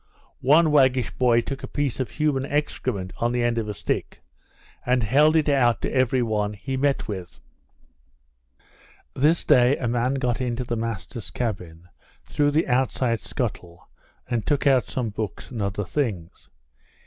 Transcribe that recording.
One waggish boy took a piece of human excrement on the end of a stick, and held it out to every one he met with. This day, a man got into the master's cabin, through the outside scuttle, and took out some books and other things.